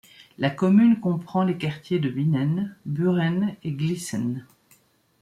La commune comprend les quartiers de Binnen, Bühren et Glissen.